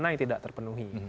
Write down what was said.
untuk yang tidak terpenuhi